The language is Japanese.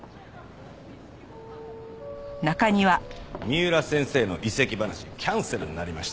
三浦先生の移籍話キャンセルになりました。